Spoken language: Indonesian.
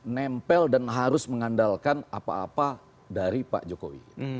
nempel dan harus mengandalkan apa apa dari pak jokowi